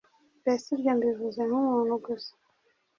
Mbese ibyo mbivuze nk’umuntu gusa,